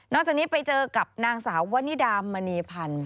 จากนี้ไปเจอกับนางสาววนิดามณีพันธ์